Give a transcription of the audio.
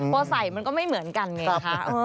พอใส่มันก็ไม่เหมือนกันไงคะ